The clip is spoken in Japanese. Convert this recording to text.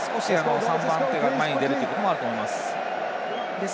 ３番手が前に出ることもあると思います。